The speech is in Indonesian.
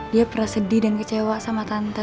dia pernah sedih dan kecewa sama tante